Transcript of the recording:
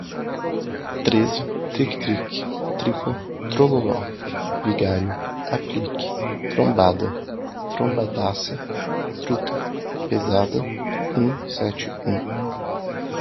treze, tric-tric, tripa, trololó, vigário, aplique, trombada, trombadaça, truta, pesada, um sete um